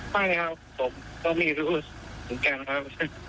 ไม่ครับผมก็มีรู้สึกกันครับ